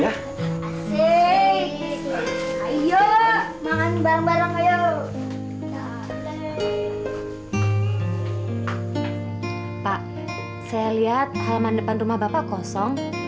pak saya lihat halaman depan rumah bapak kosong